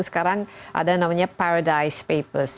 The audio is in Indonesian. sekarang ada namanya paradise papers